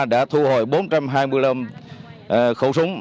đã thu hồi bốn trăm hai mươi năm khẩu súng